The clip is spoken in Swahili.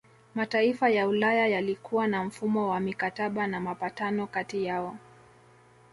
Mataifa ya Ulaya yalikuwa na mfumo wa mikataba na mapatano kati yao